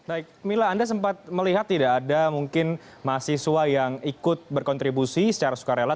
baik mila anda sempat melihat tidak ada mungkin mahasiswa yang ikut berkontribusi secara sukarela